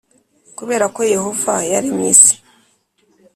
Kubera ko Yehova yaremye isi